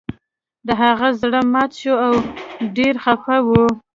د هغه زړه مات شوی و او ډیر خفه و